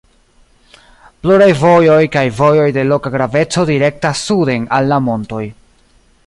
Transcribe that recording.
Pluraj vojoj kaj vojoj de loka graveco direktas suden al la montoj.